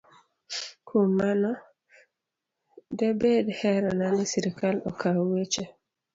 Kuom mano, de bed herona ni sirkal okaw weche